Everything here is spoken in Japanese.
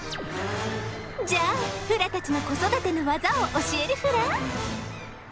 じゃあフラたちの子育てのワザを教えるフラ。